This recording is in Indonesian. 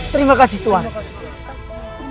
terima kasih tuhan